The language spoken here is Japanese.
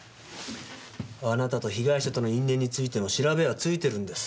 あなたと被害者との因縁についても調べはついてるんです。